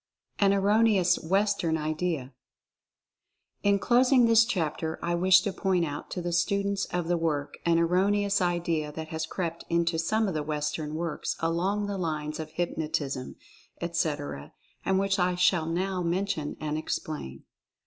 AN ERRONEOUS WESTERN IDEA. In closing this chapter I wish to point out to the students of the work an erroneous idea that has crept into some of the Western works along the lines of hypnotism, etc., and which I shall now mention and explain.